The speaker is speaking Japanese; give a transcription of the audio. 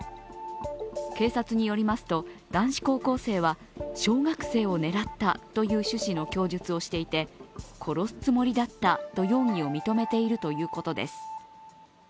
警察によりますと、男子高校生は小学生を狙ったという趣旨の供述をしていて殺すつもりだったと容疑を認めているということです。